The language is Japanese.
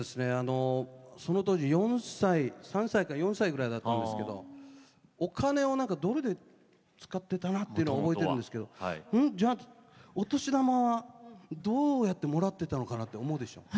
その当時、４歳３歳ぐらいだったんですけどお金をドルで使ってたなってのは覚えてるんですけどお年玉はどうやってもらってたのかなって思うでしょ。